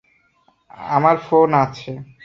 আমার ফোনে আছে।